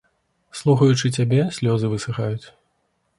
Слухаючы цябе, слёзы высыхаюць.